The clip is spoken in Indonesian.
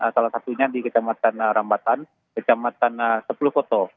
salah satunya di kecamatan rambatan kecamatan sepuluh koto